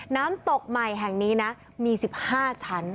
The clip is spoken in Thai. น้ำตกใหม่แห่งนี้นะมี๑๕ชั้น